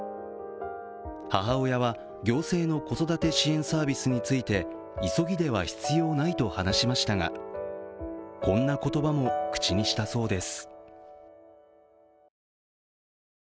母親は行政の子育て支援サービスについて急ぎでは必要ないと話しましたがこんな言葉も口にしたそうです。